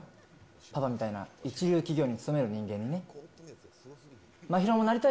パパみたいな一流企業に勤める人間にね。